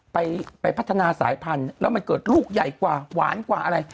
ไปไปพัฒนาสายพันธุ์แล้วมันเกิดลูกใหญ่กว่าหวานกว่าอะไร